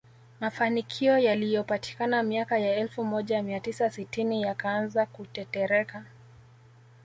Mafanikio yaliyopatikana miaka ya elfu moja mia tisa sitini yakaanza kutetereka